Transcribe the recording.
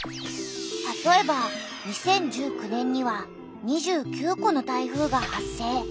たとえば２０１９年には２９個の台風が発生。